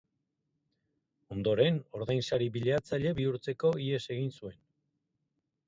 Ondoren ordainsari bilatzaile bihurtzeko ihes egin zuen.